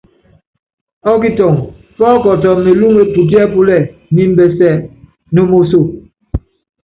Ɔ́kitɔŋɔ pɔ́kɔtɔ melúŋe putíɛ́púlɛ́ɛ niimbɛsɛ no moso.